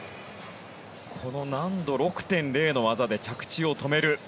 この難度６．０の技で着地を止める。